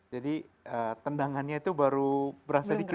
jadi tendangannya itu baru berasa sedikit